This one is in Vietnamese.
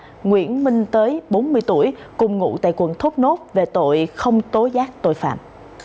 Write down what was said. nguyễn minh tới bốn mươi tuổi cùng ngụ tại quận thốt nốt về tội không tố giác tội phạm